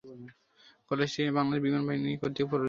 কলেজটি বাংলাদেশ বিমান বাহিনী কর্তৃক পরিচালিত।